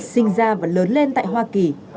sinh ra và lớn lên tại hoa kỳ